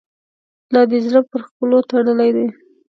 لا دي زړه پر ښکلو تړلی دی.